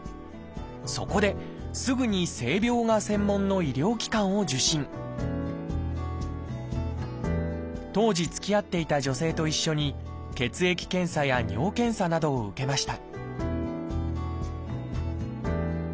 そこですぐに性病が専門の医療機関を受診当時つきあっていた女性と一緒に血液検査や尿検査などを受けました